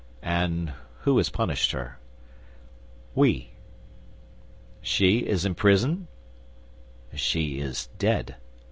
"And who has punished her?" "We." "She is in prison?" "She is dead."